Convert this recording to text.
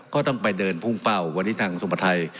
ก็ต้องไปเดินพุ่งเป้าวันนี้ทางสุภาไทย